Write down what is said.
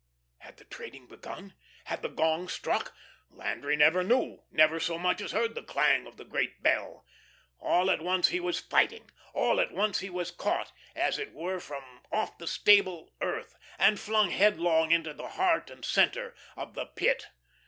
Had the trading begun? Had the gong struck? Landry never knew, never so much as heard the clang of the great bell. All at once he was fighting; all at once he was caught, as it were, from off the stable earth, and flung headlong into the heart and centre of the Pit.